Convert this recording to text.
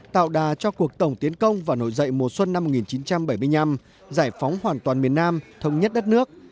tạo đà cho cuộc tổng tiến công và nổi dậy mùa xuân năm một nghìn chín trăm bảy mươi năm giải phóng hoàn toàn miền nam thống nhất đất nước